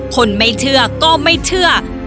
คนไม่เชื่อก็ไม่เชื่อ